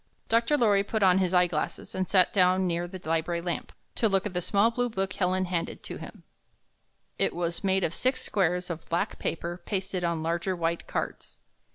Dr. Lorry put on his eye glasses and sat down near the library lamp, to look at the small blue book Helen handed to him. It was made of six squares of black paper pasted on larger white cards.